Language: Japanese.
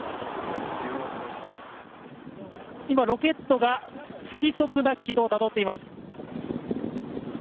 今、ロケットが不規則な軌道をたどっています。